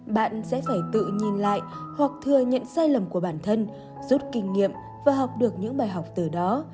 bạn sẽ phải tự nhìn lại hoặc thừa nhận sai lầm của bản thân rút kinh nghiệm và học được những bài học từ đó